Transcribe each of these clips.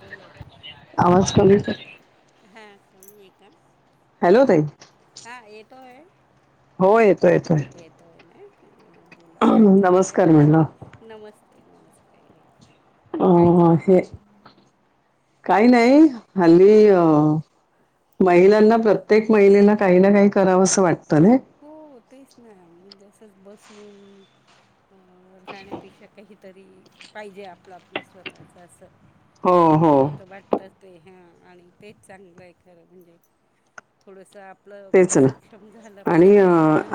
बोल्लात हम आवाज कमी कर हा कमी आहे का? हॅलो ताई हा येतोय हो येतो येतोय येतोय ना हां, बोला अहं काय चाललंय नमस्कार म्हटलं. नमस्ते नमस्ते अ काय हे चाललंय काय नाही हल्ली अ महिलांना प्रत्येक महिलेला काही ना काही करावस वाटत नाय. हो तेच ना म्हणजे असंच बसून अ राहण्यापेक्षा काहीतरी पाहिजे आपलं आपलं स्वतःचं असं, हो म्हणजे हो आता तर वाटतं. ते हा आणि तेच चांगलय खरं म्हणजे थोडस आपलं तेच स ना आणि अ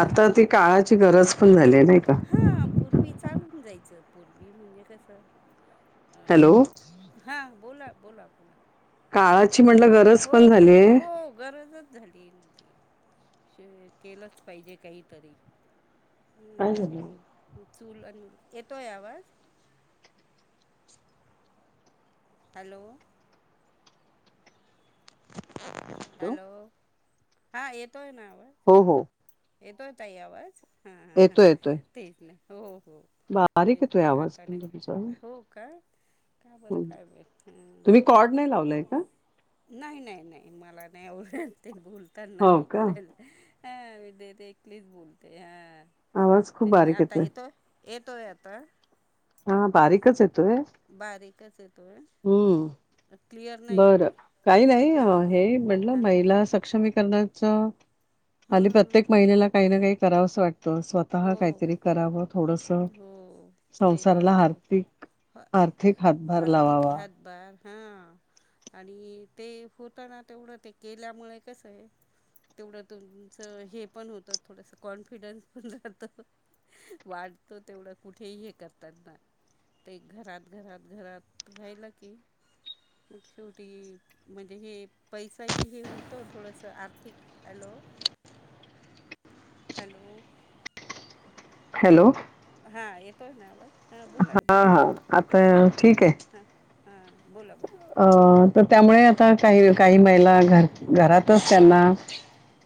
आता ती काळाची गरज पण झाली नाय का. ह पूर्वी चालून जायचं पूर्वी म्हणजे कसं अ हॅलो हां बोला बोला बोला काळाची म्हटलं गरज हो पण झाली आहे हो गरजच झालीये ना ती, म्हणजे केलंच पाहिजे काहीतरी काय झालं हॅलो हम्म चूल आणि मुल येतोय आवाज? हॅलो [inaudible] हॅलो हां येतोय ना आवाज? हो हो येतोय ताई आवाज हा हा हा येतोय येतोय तेच ना हो हो हो बारीक तेच येतोय ना आवाज आता पण नाय तुमचा हं. हो का का बरं काय तुम्ही कॉर्ड नाही लावलाय का [unintelligible] नाय नाय नाय मला नाय आवडत ते बोलताना हो हे का करायला हा मी देत एकलीच बोलते हा आवाज खूप तेच ना बारीक आता येतोय येतो. येतोय आता? हा बारीकच येतोय. बारीकच येतोय. हम्म क्लिअर नाही येतय बरं काही नाही अ हां ब हे म्हटलं हां महिला सक्षमीकरणाचं हल्ली हां प्रत्येक महिन्याला काही ना काही करावस वाटतं स्वत हो स्वताहा काहीतरी करावं थोडसं हो ते तर संसाराला आहे आर्थिक आर्थिक हातभार लावावा. बरं हा आणि ते होतं ना तेवढं ते केल्यामुळ कसंय तेवढं तुमचं हे पण होतं थोडसं कॉन्फिडन्स जातो वाटतो तेवढं कुठेही हे करतात ना ते घरात घरात घरात राहिलं की मग शेवटी म्हणजे हे पैसाही हे होतो थोडस आर्थिक आलो हॅलो हॅलो हा येतोय ना आवाज हा बोला ना बोला हा ता आता ठीक आहे हा हां बोला अ बोला हां हां तर त्यामुळे आता काही काही महिला घर घरातच त्यांना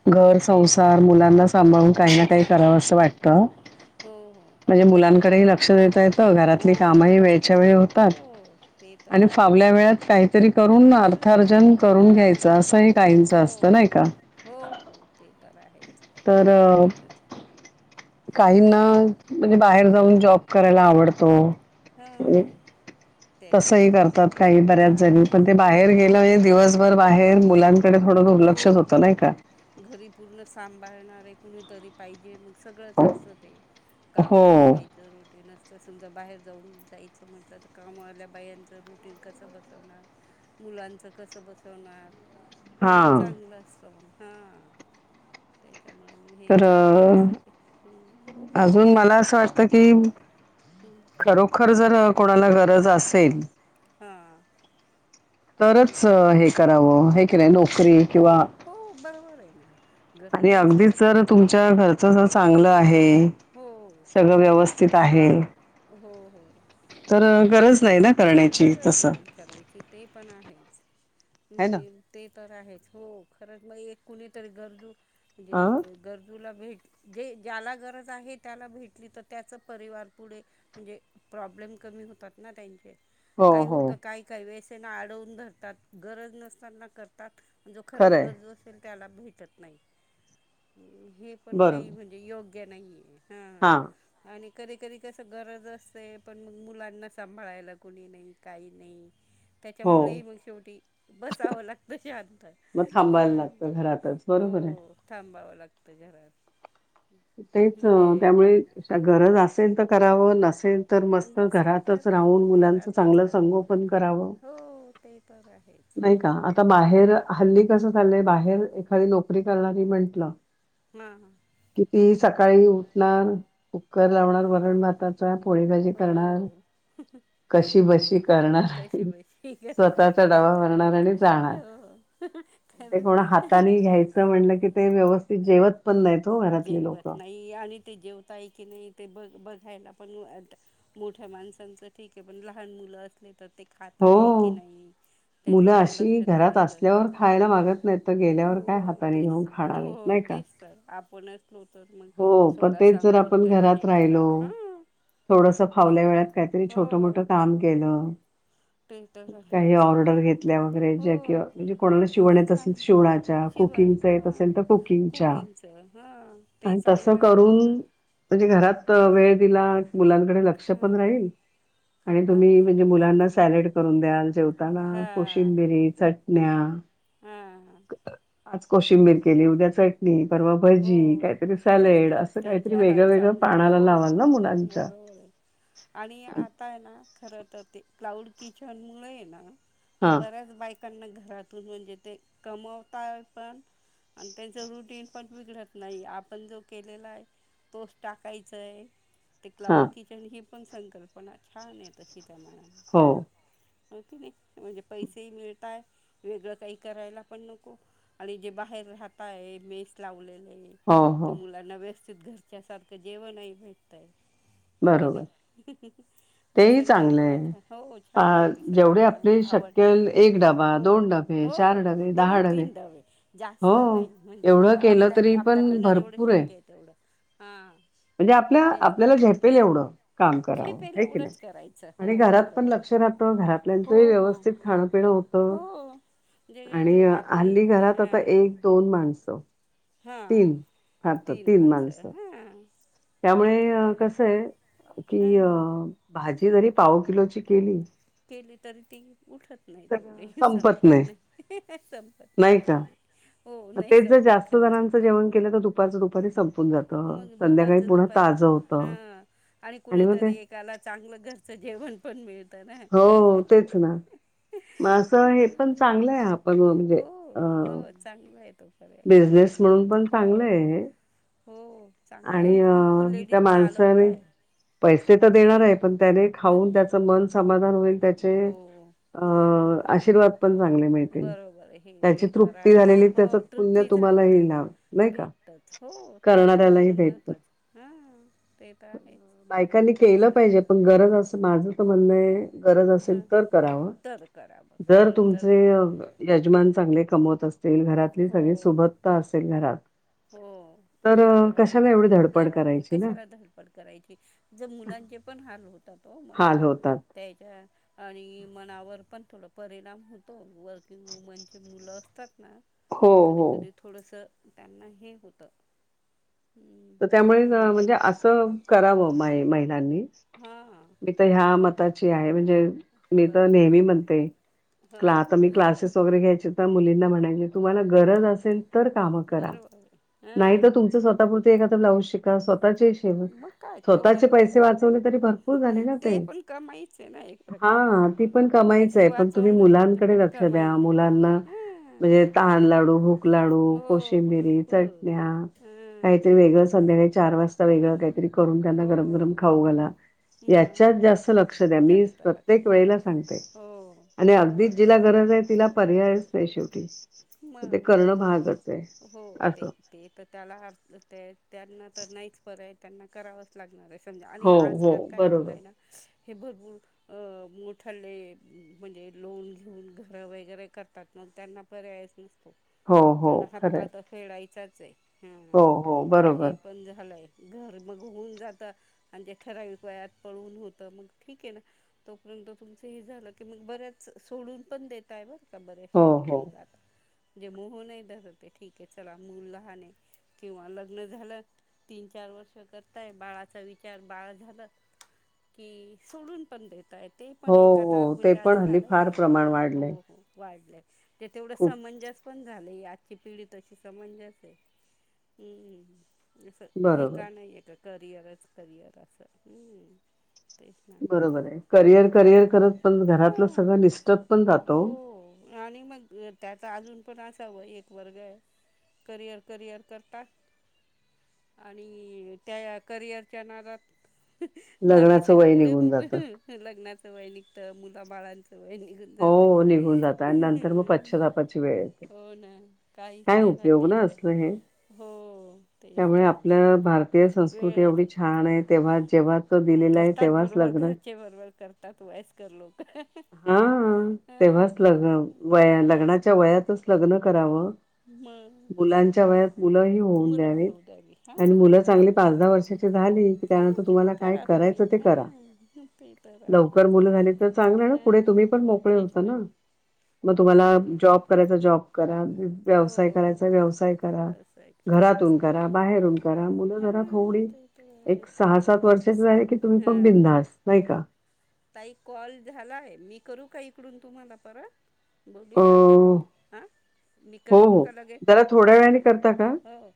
घर संसार मुलांना सांभाळून हो काही ना काही सांभाळ करावंसं वाटतं. हो म्हणजे मुलांकडेही लक्ष देता येतं हो घरातली हो कामंही तेच वेळच्या वेळी होतात. हो ते आणि तर फावल्या आहेच वेळेत काहीतरी करून फावल्या वेळ अर्थार्जन करून हां घ्यायचं असं ही काहींचं हो असतं नाही का? हो हो ते तर आहेच. तर तेच काहींना म्हणजे बाहेर जाऊन जॉब करायला आवडतो. हां तसंही त्याच्या करतात काही बऱ्याच जणी हां पण ते बा बाहेर गेलं म्हणजे दिवसभर बाहेर मुलांकडे थोडं दुर्लक्षच हो होतं मग नाही का? तो घरी पूर्ण सांभाळणारे कुणीतरी पाहिजे मग सगळंच असतं ते हो कामवाल्या बाईचं रुटीन अस तर समजा बाहेर जाऊन जायचं म्हटलं तर कामावाल्या बायांचं रुटीन कसं बसवणार? मुलांचं कसं बसवणार? हे हा चांगलं असतं मग हा त्याच्यामुळं मग हे तर चांगलं अ, असतं की हम्म बोला ना अजून मला असं वाटतं की हम्म खरोखर जर कोणाला गरज असेल हा तरच हे करावं हे की नाही नोकरी हो किंवा हो बरोबर आहे ना आणि गरज नसेल तर अगदीच जर खरंच करू तुमच्या नये घरचं जर चांगलं आहे हो सगळं व्यवस्थित स्थित आहे हो हो तर गरज नाही ना करण्याची गरज तसं नाही करायची ते पण आहेच है ना मी ते तर आहेच हो खरंच मग एक कुणीतरी गरजू अं म्हणजे गरजूला भेट जे ज्याला गरज आहे त्याला भेटली तर त्याचं परिवार पुढे म्हणजे प्रॉब्लेम कमी होतात ना त्यांचे हो काही हो होतं काय काय व्यसनं ना आडवून धरतात गरज नसताना करतात. जो खरंच खरंय गरजू असेल त्याला भेटत नाही हे पण काही बरोबर म्हण जे योग्य नाहीेये हा आणि कधी कधी कसं गरज असते पण मग मुलांना सांभाळायला कुणी नाही काही नाही? हो त्याच्यामुळेही मग शेवटी बसावं लागतं शांत ताच बरोबर आहे हो थांबावं लागतं घरात तेच म्हणजे त्यामुळे अशा गरज असेल तर करावं नसेल तर मस्त नसेल तर घरातच राहून मुलांचं घरातच चांगलं राहावं संगोपन करावं. हो ते तर आहे. नही का, आता बाहेर हल्ली कस चालंय, बाहेर एखादी नोकरी करणारी म्हंटलं हां हां. कि ती, सकाळी उठणार, कुकर लावणार, हां वरण भाताचा, पोळी भाजी करणार. हो कशी-बशी ते तर करणार कशी आणि बशी करणार स्वतःचा ते डबा तर भरणार आहेच आणि जाणार. हो ते तर कोणा हातानी घ्यायचं म्हणलं, कि ते व्यवस्थित जेवत, पण नाहीत, हो घरात जेवत नाही आणि ते जेवताय की नही, ते बग-बघायला पण मोठ्या माणसांचं ठीके ये, पण लहान मुलं असले, तर ते हो खाताय की, नाही? मुलं त्यांच्याकडं, अशी लक्ष देणं, घरात ही असल्यावर गरजेचं ये, खायला मागत नाहीत तर गेल्यावर काय हो हाताने तेच घेऊन त, खाणार आहेत हो नाही का तेच आपण असलो, तर मग हो पण स्वतः तेच जर सांगून, आपण त्यांना घरात हे करा, राहिलो हं. थोडस फावल्या वेळात, काहीतरी छोट मोठं काम केलं. ते तर काही आहेच ऑर्डर ते घेतल्या वगैरे, ज्या हो कि, म्हणजे कोणाला शिवण ते येत असेल, तर चांग शिवणार च्या, कुकिंग येत असेल, तर कुकिंग च्या त हां ते अन, तसं चांगलं आहे ना करून म्हणजे घरात वेळ दिला, मुलांकडे लक्ष पण हां राहील, आणि हां तुम्ही मुलांना सॅलेड करून द्याल, जेवताना कोशिंबिरी, चटण्या आं आज कोशिंबीर केली, उद्या चटणी परवा हो भजी, काय तेच तर, त्यांच्या हात चाल, हो पानाला लावाल ना [unintelligible] मुलांच्या. हो आणि आता ये ना, खर तर ते क्लाउड किचन मुळे, ना त हां, बऱ्याच बाईक् त्यांना घरातून, म्हणजे ते कमवता, पण अन त्यांचं रुटीन पण बीघडत नाही, आपण जो केलेला य, तोच टाकायचाय, ते हां. क्लाउड कि की, ही पण संकल्पना छान ये, तशी त्या हो, मानाने, अं होकी नाही, म्हणजे पैसेही मिळता, वेगळं काही करायला, पण नको. आणि जे बाहेर राहताय मेस लावलेलय, हो, हो. तर मुलांना व्यवस्थित घरच्या सारखं, जेवणही भेटतय हो की बरोबर. नाही, ह्हणं ह्हण, ही तेही चांगलं संकल्पना आहे. छ, हो पा छान ये ती जेवढे संकल्पना, म आपले आवड शक्य त, होईल डबा, हो डबे, हो डबे, दोन डबे. तीन डब्बे, हो, जास्त नाही, [unintelligible] एवढं किंवा केलं तरी पण आपल्-आपल्याकडनं जेवढं भरपूर आहे. शक्य ये, तेवढं, हां म्हणजे आपल्या तेच त आपल्याला झेपेल एवढं काम करावं, झेपेलं आहे की नाही? एवढंच करायचं, हो आणि घरात पण बरोबर लक्ष [unintelligible] हो हो व्यवस्थित खाण-पिणं होत, हो जे रि आणि आपलंही हल्ली घरात, आता हां एक दोन माणसं, हां तीन फार तर तीन माणसं ते तर त्यामुळे आहे कसय, की अ हां भाजी जरी पाव किलो ची, केली. केली तरी ती, उठत नाही तेवढी, संपत नाही, संपत नाही तेवढी. हो मग नही तेच जर संपत जास्त खरंच जणांचं जेवण केलं का, दुपारचं तू? दुपारी संपून जात, मग संध्याकाळी दुपारचं पुन्हा दुपारी ताजं होत आणि मग ते त्याला चांगलं घरचं जेवण, पण मिळ हो हो तेच ना, मग असं हे पण चांगलं ये, आप पण म्हणजे हो अ हो चांगला ये तो [unintelligible] क्लाउड बिझनेस म्हणून पण किचनचा चांगलं हो, आहे हो. चांगलं आणि खूप लेडीज त्या चालवत माणसाने आहे. पैसे तर देणार आहे. पण त्याने हो खाऊन त्याच मन समाधान होईल त्याचे हो मग आशिर्वाद पण चांगले मिळतील बरोबर हे त्याची ते तर तृप्ती आहेच झालेली हो त्याचा पुण्य तृप्ती तुम्हाला झाली तर ही लाभ नाही का करणाऱ्यालाही भेटत महत्वाच हा ते तर आहेच बायकांनी तेच केलं त पाहिजे पण गरज असं माझं तर म्हणणंय गरज असेल हां तर कराव तर करा बघ जर तर तुमचे मग यजमान चांगले कमवत असतील घरातली हो सगळी सुबत्ता असेल घरात हो ते तर कशाला आहेच एवढी मग धडपड गरज नाही करायची ना कशाला धडपड करायची. जर मुलांचे पण हाल होतात हो मग हाल होतात. त्याच्या आणि मनावर पण थोड परिणाम होतो वर्किंग वुमनचे मुलं असतात ना हो हो. कधीकधी थोडंसं त्यांनाही होतं. त त्यामुळेच हम्म. मग म्हणजे त्यांच्या असं करावं माय महिलांनी हा मी तर ह्या मताची आहे म्हणजे मी बरं तर नेहमी म्हणते हा क आता मी क्लासेस वगैरे घ्यायचे त्या मुलींना म्हणायचे तुम्हाला गरज असेल तर कामं करा बरं बरं नाहीतर हा तुमचं स तापुरती एखादा लाव शिका स्वतः मग काय स्वतःचे तेवढं हे पैसे वाचवले तरी भरपूर झाले ना ते. पण कमाईच आहे ना एक प्रकारे हा ती पण कमाईची पैसे आहे पण तुम्ही वाचवणं म्हणजे मुलांकडे पण लक्ष द्या कमाई आहे. मुलांना हा म्हणजे तहान लाडू, भूक लाडू, हो कोशिंबिरी, भरपूर चटण्या हां काहीतरी वेगळं संध्याकाळी चार वाजता वेगळं हां काहीतरी करून त्यांना हो गरम गरम खाऊ घाला. मग याच्यात जास्त लक्ष द्या मी जास्त लाग प्रत्येक वेळेला सांगते. हो आणि अगदीच बरोबर आहे जिला गरज आहे तिला पर्यायच नाही शेवटी म ते मग करणं भागच आहे हो ते असं. ते तर त्याला त्या त्यांना तर नाहीच परय त्यांना करावं लागणार आहे समजा आणि हो, हो. आजकाल काय बरोबर. झालंय ना हे भरपूर अ मोठ ले म्हणजे लोन घेऊन घरं वगैरे करतात मग त्यांना पर्यायच नसतो हो, हो. कारण खरं हपता आहे. तर फेडायचाच आहे. हा हो, हो. हे बरोबर. पण झालंय. घर मग होऊन जातं आणि त्या ठराविक वयात पळून होतं मग ठीक आहे ना. तोपर्यंत तुमच हे झालं की मग बऱ्याच सोडून पण देत आहे बरं का हो, बऱ्याचश्या लेडी हो. जे मोह नाही धरतये ठीक आहे चला मूल लहाने किंवा लग्न झालं तीन चार वर्ष करताय बाळाचा विचार बाळ झालं की सोडून पण देत आहेत. ते हो, पण एक आता हो. ते म्हणजे आ पण हल्ली झालंय फार तेवढं प्रमाण आता हो वाढलंय. हो वाढलंय. ते तेवढं खूप समंजस पण झालंय आजची पिढी तशी समंजस आहे हम्म. असं हे बरोबर, का नाही आहे का करिअरच करिअर असं हम्. तेच ना बरोबर आहे. करिअर, हो करिअर करत पण हो घरातलं सगळं निसटत पण जातं ओ. हो. आणि मग अ त्याच अजून पण असावं एक वर्ग आहे करिअर करिअर करता आणि त्या करिअरच्या नादात बाकी लग्नाचं सगळं वय पुढे निघून होक जातं. लग्नाचं वय निघत मुलं बाळांचं वय निघ हो निघून जात आणि नंतर मग पच्छातापाची वेळ येते. हो ना काहीच काय नाही राहत उपयोग ना त्या. असलं हे. हो, तेच त्यामुळे तरच वेळत. हा, नाही तेव्हा जेव्हा तो हा, दिलेला आहे करतात. तेव्हाच बरोबर, लग्न घरचे बरोबर करतात, वयस्कर लोक. हा, हां तेव्हाच लग्न वया मग लग्नाच्या वयातच लग्न करावं. मग मुलांच्या वयात मुलं ही होऊन मुलं द्यावीत. भाऊ दारी आणि हां मुलं ते चांगली पाच दहा वर्षाची झाली की, झालं त्यानंतर की मग तुम्हाला काय करा करायच तुम्ही ते करा. हां ते तर आहे लवकर मुलं झाली तर चांगली आहे ना. पुढे तुम्ही पण हां मोकळे तेच होता ना? मग तुम्हाला हम्म, जॉब करायचा जॉब करा. हो व्यवसाय करायचा व्यवसाय करा, असं आहे घरातून करायचं करा, बाहेरून करा. मुलं जरा हां थोडी ते तर एक आहे सहा-सात वर्षाच झाले की तुम्ही पण हां बिंधास, नाही का? ताई, कॉल झालाय. मी करू का इकडून तुम्हाला परत? अ बोलूया आपण. हां, मी हो करत ब हो का लगेच? जरा थोड्या वेळाने करता का? हो, हो.